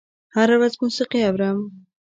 هره ورځ موسیقي اورم